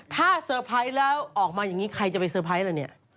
ถ้าเซอร์ไพรส์แล้วออกมาอย่างนี้ใครจะไปเซอร์ไพรส์ล่ะเนี่ย